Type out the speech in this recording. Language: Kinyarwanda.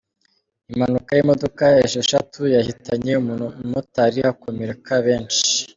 Impanuka y’imodoka Esheshatu yahitanye umumotari hakomereka benshi